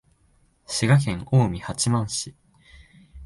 滋賀県近江八幡市